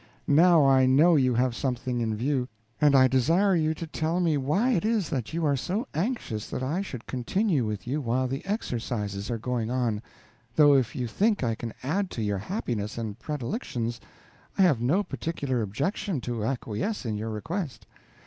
"Now I know you have something in view, and I desire you to tell me why it is that you are so anxious that I should continue with you while the exercises are going on; though if you think I can add to your happiness and predilections, I have no particular objection to acquiesce in your request.